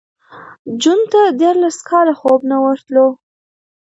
جون ته دیارلس کاله خوب نه ورتلو